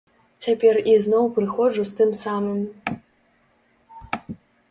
Цяпер ізноў прыходжу з тым самым.